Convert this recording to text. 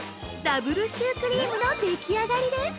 ダブルシュークリームのでき上がりです。